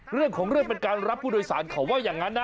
เรื่องเป็นเรื่องรับผู้โดยสารเขาพูดอย่างนั้นนะ